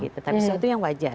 tapi suatu yang wajar